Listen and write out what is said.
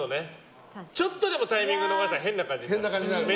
ちょっとでもタイミング逃したら変な感じになるしね。